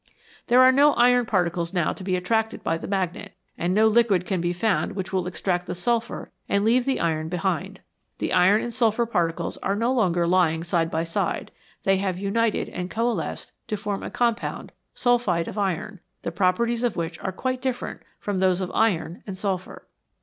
There are no iron particles now to be attracted by the magnet, and no liquid can be found which will extract the sulphur and leave the iron behind. The iron and sulphur particles are no longer lying side by side ; they have united and coalesced to form a compound sulphide of iron the properties of which are quite different from those of iron and sulphur.